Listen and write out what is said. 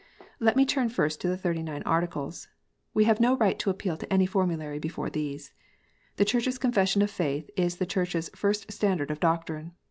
Let me turn first to the Thirty nine Articles. We have no right to appeal to any formulary before this. The Church s Confession of faith is the Church s first standard of doctrine.